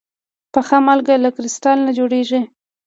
پخه مالګه له کريستال نه جوړېږي.